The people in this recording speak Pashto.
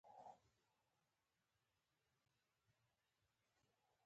دا زما د سخن سيوری په معنی کې همایون کړه.